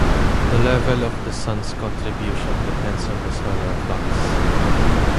The level of the sun's contribution depends on the solar flux.